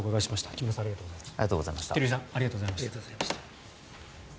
木村さん、照井さんありがとうございました。